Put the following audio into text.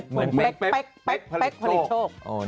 เหมือนเป๊ะเป๊ะผลิตโชค